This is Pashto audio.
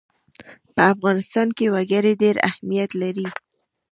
په افغانستان کې وګړي ډېر اهمیت لري.